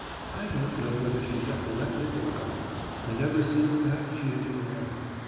I don't know whether she's epileptic or what—and ever since that she has been ill.